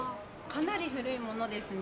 かなり古いものですね。